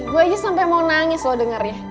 gue aja sampai mau nangis loh dengernya